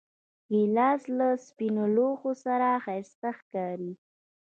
ګیلاس له سپینو لوښو سره ښایسته ښکاري.